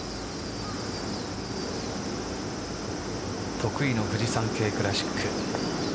得意のフジサンケイクラシック。